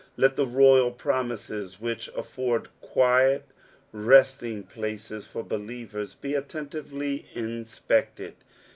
Let the Toytil promises vhich afford quiet resting S laces for believers be atlenti»elj inspected.